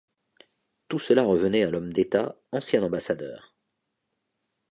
Tout cela revenait à l’homme d’État, ancien ambassadeur.